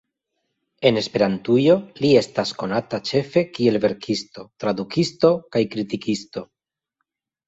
En Esperantujo, li estas konata ĉefe kiel verkisto, tradukisto kaj kritikisto.